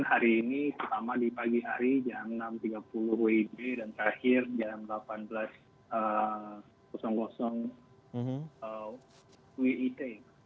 hari ini pertama di pagi hari jam enam tiga puluh wib dan terakhir jam delapan belas wit